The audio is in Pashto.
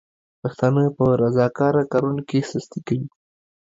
پښتانه په رضاکاره کارونو کې سستي کوي.